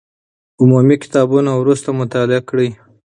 عمومي کتابونه وروسته مطالعه کړئ.